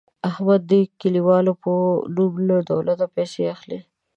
احمد د کلیوالو په نوم له دولته پیسې اخلي.